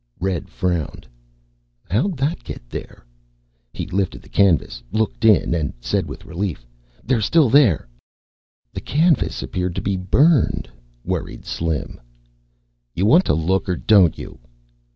Red frowned. "How'd that get there?" He lifted the canvas, looked in, and said, with relief, "They're still there." "The canvas appeared to be burned," worried Slim. "You want to look, or don't you?"